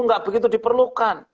lemak begitu diperlukan